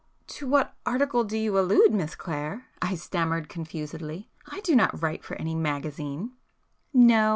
"To what article do you allude, Miss Clare?" I stammered confusedly—"I do not write for any magazine." "No?"